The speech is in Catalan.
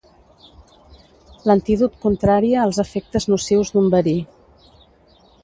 L'antídot contraria els efectes nocius d'un verí.